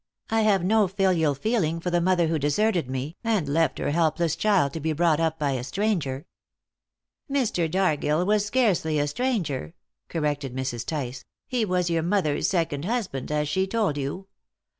I have no filial feeling for the mother who deserted me, and left her helpless child to be brought up by a stranger." "Mr. Dargill was scarcely a stranger," corrected Mrs. Tice: "he was your mother's second husband, as she told you.